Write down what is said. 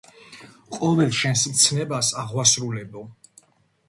ყოველ შენს მცნებას აღვასრულებო